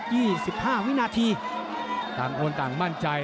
หรือว่าผู้สุดท้ายมีสิงคลอยวิทยาหมูสะพานใหม่